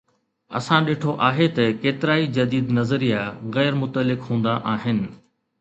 اسان ڏٺو آهي ته ڪيترائي جديد نظريا غير متعلق هوندا آهن.